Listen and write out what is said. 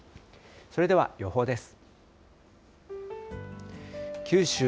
それでは予報です。